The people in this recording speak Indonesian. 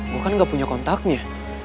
gue kan gak punya kontaknya